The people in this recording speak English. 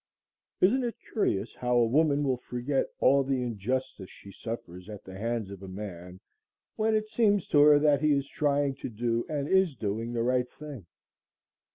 Isn't it curious how a woman will forget all the injustice she suffers at the hands of a man, when it seems to her that he is trying to do and is doing the right thing?